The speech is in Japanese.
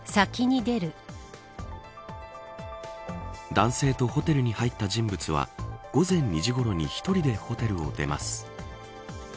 男性とホテルに入った人物は午前２時ごろに１人でホテルを出ます。